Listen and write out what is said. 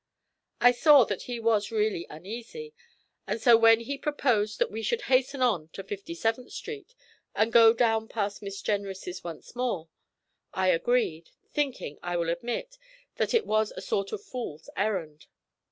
I saw that he was really uneasy, and so when he proposed that we should hasten on to Fifty seventh Street and go down past Miss Jenrys' once more, I agreed, thinking, I will admit, that it was a sort of fool's errand.